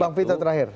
bang vita terakhir